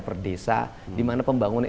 per desa di mana pembangunan